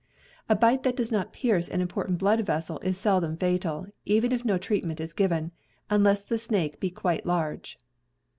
A bite that does not pierce an important blood vessel is seldom fatal, even if no treatment is given, unless the snake be quite large.